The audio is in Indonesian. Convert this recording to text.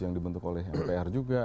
yang dibentuk oleh mpr juga